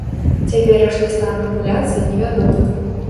Цяперашні стан папуляцый невядомы.